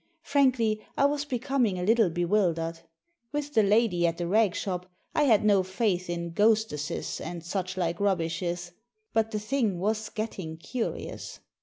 Frankly, I was becoming a little bewildered. With the lady at the rag shop, I had no faith in ''ghostesses and such like rubbishes," but the thing was getting curious.